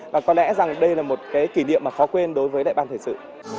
và có lẽ rằng đây là một kỷ niệm khó quên đối với đại ban thời sự